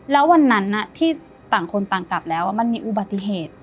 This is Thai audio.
แล้ววันนั้นที่ต่างคนต่างกลับแล้วมันมีอุบัติเหตุ